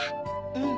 うん。